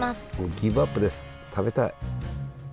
ギブアップです食べたい。